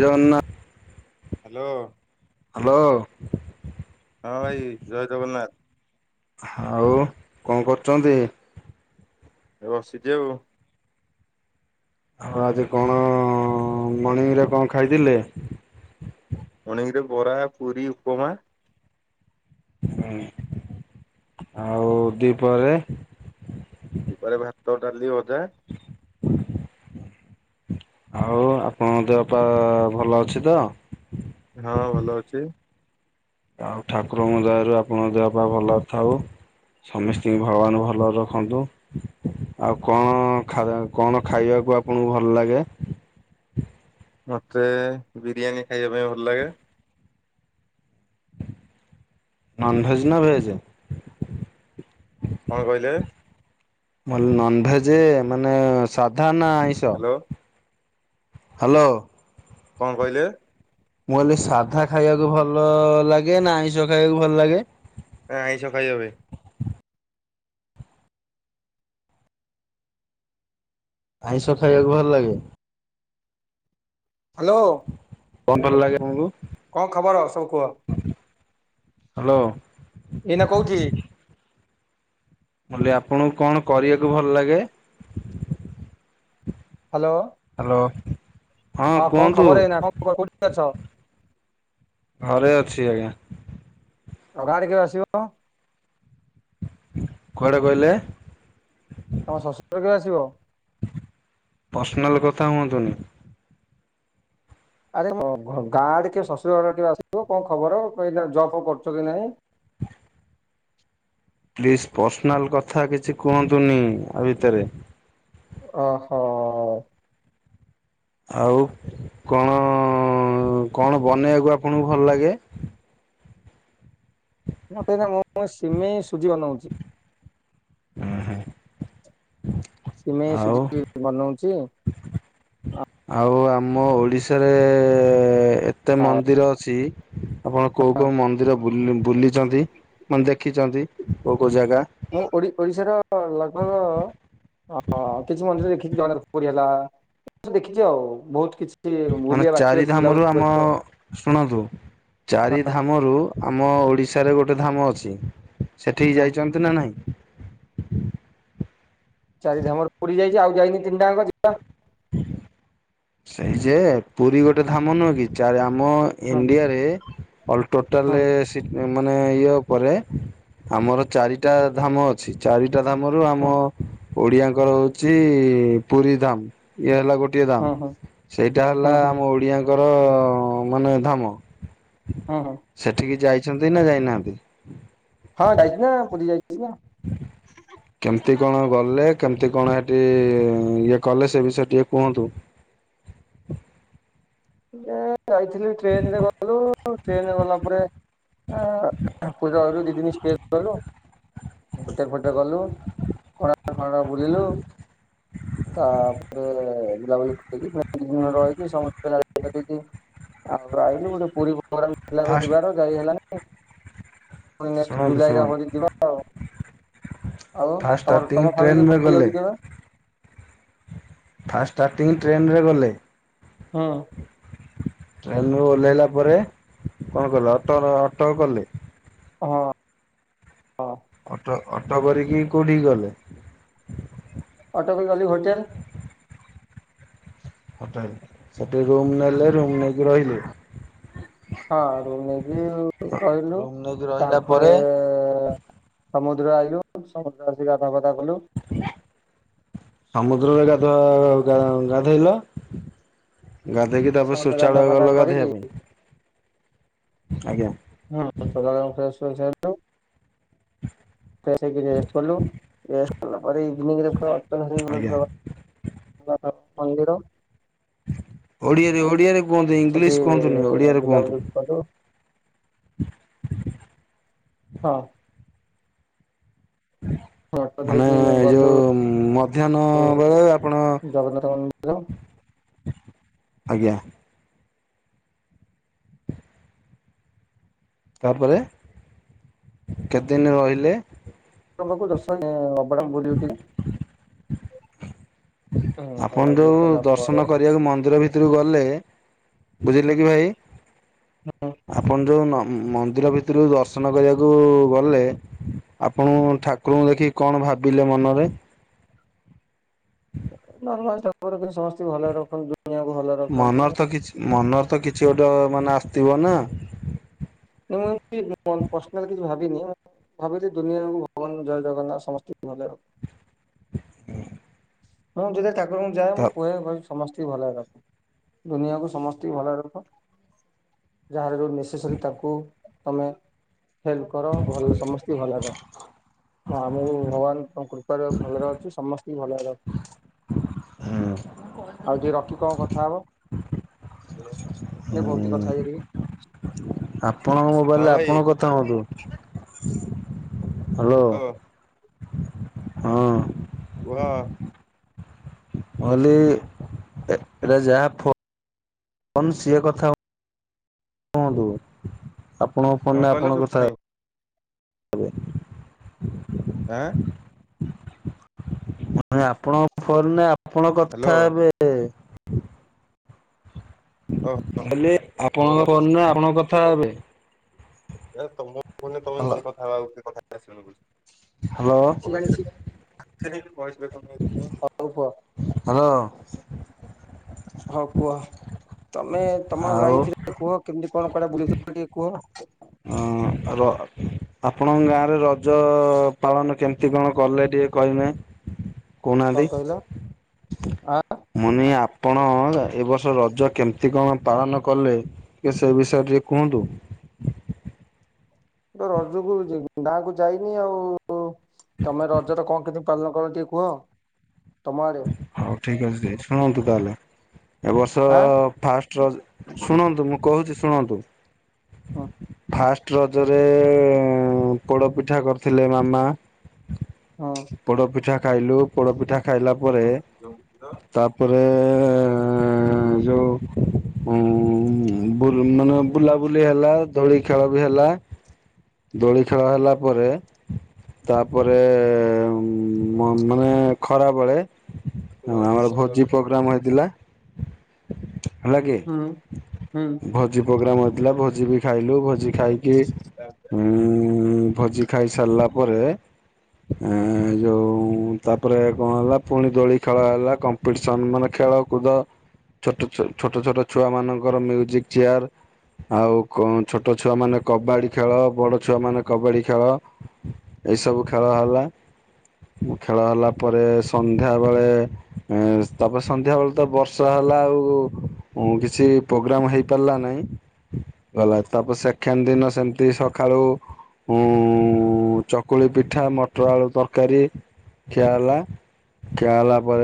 Hello. ହଁ ଭାଇ ଜୟ ଜଗନ୍ନାଥ। ଆଉ କଣ କରୁଛନ୍ତି? ଏ ବସିଛି ଆଉ। ଆଉ ଆଜି କଣ ମଣିଙ୍ଗରେ କଣ ଖାଇଥିଲେ? ମଣିଙ୍ଗି ରେ ବରା, ପୁରୀ, ଉପମା। ହଁ ଆଉ ଦି ପରେ ଦି ପରେ ଭାତ, ଡାଲି, ଭଜା। [inaudible] ଆଉ ଆପଣଙ୍କ ଦେହ ପା ଭଲ ଅଛି ତ? ହଁ ଭଲ ଅଛି। ଆଉ ଠାକୁରଙ୍କ ଦୟାରୁ ଆପଣଙ୍କ ଦେହ ପା ଭଲରେ ଥାଉ। ସମସ୍ତିଙ୍କୁ ଭଗବାନ ଭଲରେ ରଖନ୍ତୁ ଆଉ କଣ ଖା କଣ ଖାଇବା କୁ ଆପଣଙ୍କୁ ଭଲ ଲାଗେ? ମତେ ବିରିୟାନୀ ଖାଇବା ପାଇଁ ଭଲ ଲାଗେ। ନନଭେଜ ନା ଭେଜ? କଣ କହିଲେ? ନନଭେଜ ମାନେ ସାଧା ନା ଆଇଁସ। Hello hello. କଣ କହିଲେ? ମୁଁ ହେଲି ସାଧା ଖାଇବାକୁ ଭଲ ଲାଗେ, ନା ଆଇିଁସ ଖାଇବାକୁ ଭଲ ଲାଗେ? ନା ଆଇଁଷ ଖାଇବା [unintelligible] ଆଇଁଷ ଖାଇବାକୁ ଭଲ ଲାଗେ। ହାଲୋ। କଣ ଭଲ ଲାଗେ ଆମକୁ। କଣ ଖବର ସବୁ କୁହ। ହାଲୋ। ଏଇନା କଉଠି? ଆପଣଙ୍କୁ କଣ କରିବାକୁ ଭଲ ଲାଗେ? ହାଲୋ। ହ୍ୟାଲୋ ହଁ କୁହନ୍ତୁ କୋଉଠି ଅଛ ଘରେ ଅଛି। ଠିକ ଆଜ୍ଞା। ଆଉ ଗାଁ ଆଡେ କେବେ ଆସିବ? କୁଆଡେ କହିଲେ? ତମ ଶଶୁର କିଏ ଆସିବ? ପର୍ସିନାଲ କଥା ହୁଅନ୍ତୁନି। ଆରେ ଗାଁ ଆଡ଼େ କିଏ ଶଶୁର ଘର ଆଡ଼େ ଆସିବ କଣ ଖବର ଜବ ଫବ କରୁଛ କି ନାଇଁ। [inaudible] ପ୍ଲିଜ଼ ପର୍ସିନାଲ କଥା କିଛି କୁହନ୍ତୁନି ଆ ଭିତରେ ଓ ହୋ। ଆଉ କଣ? ହଁ କଣ ବନେଇବାକୁ ଆପଣଙ୍କୁ ଭଲ ଲାଗେ? ମୁଁ ତ ମୁଁ ସିମେଇ ସୁଜି ବନଉଛି। ହୁଁ ହୁଁ। ସିମେଇ ସୁଜି ବନଉଛି। ଆଉ ଆମ ଓଡ଼ିଶାରେ ଏତେ ମନ୍ଦିର ଅଛି। ଆପଣ କୋଉ ହଁ କୋଉ ମନ୍ଦିର ବୁଲି-ବୁଲିଛନ୍ତି ମାନେ ଦେଖିଛନ୍ତି। କୋଉ ଜାଗା? ମୁଁ ଓଡିଶାର ଲଗ୍ଭଗ ହଁ କିଛି ମନ୍ଦିର ଦେଖିଛି ଜଗନ୍ନାଥ ପୁରୀ ହେଲା ଦେଖିଛି ଆଉ ବହୁତ କିଛି। ମାନେ ବୁଲିବା ବାକି ଚାରି ଅଛି ଧାମ ବୁଲାବୁଲି ର ଆମ। କରିବା ଆଉ। ଶୁଣନ୍ତୁ ଚାରି ଧାମରୁ ଆମ ଓଡିଶାରେ ଗୋଟେ ଧାମ ଅଛି। ସେଠିକି ହଁ ଯାଇଛନ୍ତି ନା ନାଇଁ। ଚାରିଧାମରେ ପୁରୀ ଯାଇଛି ଆଉ ଯାଇନି ତିନିଟାଙ୍କ ଯିବା। ସେଇ ଯେ ପୁରୀ ଗୋଟେ ଧାମ ନୁହଁ କି ଚାରି ଆମ ଆମ ହୁଁ ଇଣ୍ଡିଆରେ ଅଲ୍ ଟୋଟାଲ ହୁଁ ରେ ମାନେ ଇଏ ଉପରେ ଆମର ଚାରିଟା ଧାମ ଅଛି ଚାରି ଟା ଧାମ ର ଆମ ହୁଁ ଓଡିଆଙ୍କର ହଉଛି ପୁରୀ ଧାମ ଇଏ ହେଲା ଗୋ ଟିଏ ହୁଁ ହୁଁ ସେଇଟା ହୁଁ ହେଲା ହୁଁ ଆମ ଓଡିଆଙ୍କର ମାନେ ଧାମ। ହୁଁ ହୁଁ ସେଠିକି ଯାଇଛନ୍ତି ନା ଯାଇନାହାନ୍ତି? ହଁ ଯାଇଛି ନା ପୁରୀ ଯାଇଚି। କେମିତି କଣ ଗଲେ କେମତି କଣ ଏ ଇଏ କଲେ ସେ ବିଷୟରେ ଟିକେ କୁହନ୍ତୁ? ଏ ଯାଇଥିଲି ଟ୍ରେନ ରେ ଗଲୁ ଟ୍ରେନ ଗଲା ପରେ ପୂଜା ଘରେ ଦିଦିନ [inaudible] ହୋଟେଲ ଫୁଟେ ଗଲୁ କୋଣାର୍କ ଫଣାର୍କ ବୁଲିଲୁ। ତାପରେ ବୁଲାବୁଲି କରିକି [unintelligible] ରହିକି ସମସ୍ତେ [unintelligible] ଆଉ ରହିଲୁ ପୁରୀ [unintelligible] ଫାଷ୍ଟ ଯିବାର ଯାଇ ହେଲାନି। ପୁଣି ନେଷ୍ଟ ଶୁଣନ୍ତୁ ଜୁଲାଇରେ ଶୁଣନ୍ତୁ ଆମ ଦିଦି ବାହାହବ। ଆଉ ଫାଷ୍ଟ ତମର ଷ୍ଟାର୍ଟିଂ ତମ ଫ୍ୟାମିଲି ରେ ଟ୍ରେନରେ ପୁରୀ ଗଲେ ଯାଉଚ କେବେ? ଫାଷ୍ଟ ଷ୍ଟାର୍ଟିଂ ଟ୍ରେନରେ ଗଲେ ହଁ। ଟ୍ରେନ ରୁ ଓହ୍ଲାଇଲା ପରେ କଣ କଲ ଅଟ ଅଟ କଲେ। ହଁ ହଁ। ଅଟୋ ଅଟୋ କରିକି କୋଉଠିକି ଗଲେ? ଅଟୋକ ଗଲି ହୋଟେଲ। ହୋଟେଲ ସେଠି ରୁମ ନେଲେ ରୁମ ନେଇକି ରହିଲେ। ହଁ ରୁମ ନେଇକି ରହିଲୁ ରୁମ୍ ନେଇକି ରହିଲା ତାପରେ ପରେ ସମୁଦ୍ର ଆଇଲୁ ସମୁଦ୍ର ଆସିିକି ଗାଧାପାଧା କଲୁ। ସମୁଦ୍ରରେ ଗାଧ ଗାଧୋଇଲ। ଗାଧେଇକି ତାପରେ ସମୁଦ୍ର ଗାଧା ଶୌଚାଳୟ ପାଧା ଗଲ କରିକି ଗାଧେଇବା ପାଇଁ? ଆଜ୍ଞା। ହୁଁ [inaudible] ଆସିକି ରେଷ୍ଟ କଲୁ। କଲା ପରେ ଇଭିନିଙ୍ଗ ଆଜ୍ଞା [unintelligible] ମନ୍ଦିର। ଓଡିଆରେ ଓଡିଆରେ କୁହନ୍ତୁ ସେଠି ଇଂଲିଶ କୁହନ୍ତୁନି ଓଡିଆରେ ବୁଲାବୁଲି କୁହନ୍ତୁ। କଲୁ [inaudible] ହଁ। ଅଟୋ ମାନେ ଏ [unintelligible] ଗଲୁ ଯୋଉ ମଧ୍ୟାହ୍ନ ବେଳେ ଆପଣ ଜଗନ୍ନାଥ ମ ହାଲୋ। ଆଜ୍ଞା। ତାପରେ କେତେଦିନ ରହିଲେ? ପାଖକୁ ଦର୍ଶନ [unintelligible] ଆପଣ ବୁଲାବୁଲି ଯୋଉ କଲା ପରେ ଦର୍ଶନ କରିବାକୁ ମନ୍ଦିର ଭିତରକୁ ଗଲେ ବୁଝିଲେ କି ଭାଇ ଆପଣ ଯୋଉ ନ ମ ମନ୍ଦିର ଭିତରୁ ଦର୍ଶନ କରିବାକୁ ଗଲେ ଆପଣ ଠାକୁରଙ୍କୁ ଦେଖିକି କଣ ଭାବିଲେ ମନରେ? ନର୍ମାଲ ଠାକୁର ଯେମିତି ସମସ୍ତଙ୍କୁ ଭଲରେ ରଖ ମନରେ ତ କିଛି ମନରେ ତ କିଛି ଗୋଟେ ମାନେ ଆସିଥିବ ନା? ମୁଁ ଏମିତି ପର୍ସନାଲ କିଛି ଭାବିନି ମୁଁ ଭାବିଲି ଦୁନିଆ ଭଗବାନ୍ ଜୟ ଜଗନ୍ନାଥ ସମସ୍ତିଙ୍କି ଭଲ ହଁ ଯେତେଳେ ଠାକୁରଙ୍କୁ ଯାଏ ତ ମୁଁ କୁହେ ଭବି ସମସ୍ତିଙ୍କି ଭଲରେ ରଖ ଦୁନିଆକୁ ସମସ୍ତ ଭଲରେ ରଖ ଯାହାର ଯୋଉ ନେସେସୀ ତାଙ୍କୁ ତମେ ହେଲ୍ପ କର ଭଲ ସମସ୍ତି ଙ୍କୁ ଭଲ ରେ ରଖ ତ ଆମକୁ ଭଗବାନ ଆ କୃପାରୁ ଭଲରେ ଅଛୁ ସମସ୍ତଙ୍କୁ ଭଲରେ ରଖ। ହୁଁ ଆଉ ଟିକେ ରଖି କଣ କଥା ହବ? ଏ ବହୁତ କଥା ହେଇସାରିଲିଣି। ଆପଣଙ୍କ ମୋବାଇଲରେ ଆପଣଙ୍କ କଥା ହୁଅନ୍ତୁ ହ୍ୟାଲୋ। ହଁ। କୁହ। ମୁଁ କହିଲି ଏ ଏଟା ଯାହା ଫ ଫୋନ ସିଏ କଥା ହୁଅନ୍ତୁ ଆପଣଙ୍କ କଣ ଫୋନରେ କହିଲ ଆପଣଙ୍କ ଶୁଭୁନି କଥା [unintelligible] ଆଁ? ମୁଁ କହିଲି ଆପଣଙ୍କ ଫୋନ ରେ ଆପଣ ହ୍ୟାଲୋ କଥା ହେବେ। ମୁଁ ହଉ କହିଲି ହଉ ଆପଣଙ୍କ ହଉ ଫୋନ ଆପଣଙ୍କ କଥା ଥା ହେବେ। ଏ ତମ ଫୋନ ରେ ତମେ ନିଜେ କଥା ହବ ଆଉ କେହି କଥା [unintelligible] ହ୍ୟାଲୋ। [unintelligible] ହାଲୋ ହଁ କୁହ ତମେ ତମ ଆଉ ଲାଇଫ ରେ କୁହ କେମିତି କଣ କୁଆଡେ ବୁଲିଥିଲ ଟିକେ କୁହ? ରଅ ଆପଣଙ୍କ ଗାଁରେ ରଜ ପାଳନ କେମତି କଣ କଲେ ଟିକେ କହିବେ? କହୁ ନାହାନ୍ତି। ଅ ମୁନି ଆପଣ ଏ ବର୍ଷ ରଜ ଜ କେମିତି କଣ ପାଳନ କଲେ ଟିକେ ସେ ବିଷୟ ରେ ଟିକେ କୁହନ୍ତୁ। ତ ରଜକୁ ଜି ଗାଁକୁ ଯାଇନି ଆଉ ଉ ତମେ ରଜରେ କଣ କେନ୍ତି ପାଳନ କର ଟିକେ କୁହ। ତମ ଆଡେ ହଉ ଠିକ ଅଛି ଦ ଶୁଣନ୍ତୁ ତାହେଲେ। ଏବ ବର୍ଷ ଆ ଫାଷ୍ଟର ଶୁଣନ୍ତୁ ମୁଁ କହୁଛି ଶୁଣନ୍ତୁ। ହଁ। ଫାଷ୍ଟ ରଜରେ ପୋଡ଼ ପିଠା କରିଥିଲେ ମାମା। ପୋଡପିଠା ଖାଇଲୁ। ପୋଡପିଠା ଖାଇଲା ପରେ ହୁଁ ତାପରେ- ହେଁ ଏଁ ଏଁ। ଉଁ ଯୋଉ ମାନେ ବୁଲାବୁଲି ହେଲା ଦିଳି ଖେଳ ବି ହେଲା। ଦୋଳି ଖେଳ ହେଲା ପରେ। ତାପରେ ମାନେ ଖରା ବଳେ। ହଁ ଆମର ଭୋଜି ପ୍ରୋଗ୍ରାମ ହେଇଥିଲା। ହେଲା କି। ହୁଁ ହୁଁ। ଭୋଜି ପ୍ରୋଗ୍ରାମ ହେଉଥିଲା ଭୋଜି- ଖାଇଲୁ। ଭୋଜି ଖାଇକି ଉ ଭୋଜି ଖାଇ ସାରିଲା ପରେ- ଏ ଯୋଉ ତାପରେ କଣ ହେଲା ପୁଣି ଦୋଳି ଖେଳ ହେଲା କମ୍ପିଟିସନ ମାନେ- ଖେଳକୁଦ ଛୋଟ ଛୋଟ ଛୋଟ ଛୋଟ ଛୁଆ ମାନଙ୍କର ମ୍ୟୁଜିକ ଚିୟାର। ଆଉ କୋଉଁ ଛୋଟ ଛୁଆ ମାନେ କବାଡ଼ି ଖେଳ, ବଡ଼ ଛୁଆ ମାନେ କବାଡ଼ି ଖେଳ। ଏସବୁ ଖେଳ ହେଲା। ଖେଳ ହେଲା ପରେ ସନ୍ଧ୍ୟା ବେଳେ ତାପରେ ସନ୍ଧ୍ୟା ବେଳକୁ ତ ବର୍ଷା ହେଲା। ହେଲା ବେଳକୁ କିଛି ପ୍ରୋଗ୍ରାମ ହେଇପାରିଲା ନାଇଁ। ଗଲା ତାପରେ ସେଖେଣ୍ଡ ଦିନ ସେମତି ସଖାଳୁ ଉଁ ଚକୁଳି ପିଠା, ମଟର ଆଳୁ ତରକାରୀ ଖିଆ ହେଲା। ଖିଆ ହେଲା ପରେ